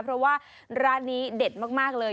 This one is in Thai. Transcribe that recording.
เพราะว่าร้านนี้เด็ดมากเลย